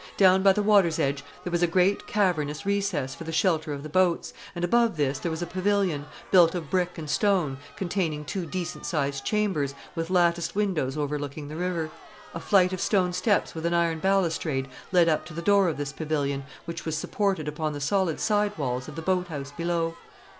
Down by the water's edge there was a great cavernous recess for the shelter of the boats, and above this there was a pavilion, built of brick and stone, containing two decent sized chambers, with latticed windows overlooking the river. A flight of stone steps with an iron balustrade led up to the door of this pavilion, which was supported upon the solid side walls of the boat house below.